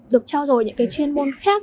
được trao dồi những chuyên môn khác